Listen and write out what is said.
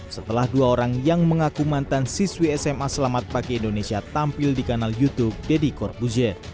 setelah dua orang yang mengaku mantan siswi sma selamat pagi indonesia tampil di kanal youtube deddy corbuzier